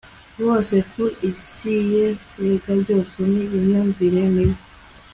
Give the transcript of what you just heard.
bose ku isierega byose ni imyumvire mibi